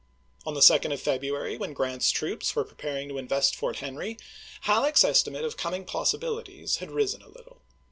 On the 2d of February, when Grant's troops were preparing to invest Fort Henry, Halleck's estimate of coming possibilities had risen a little.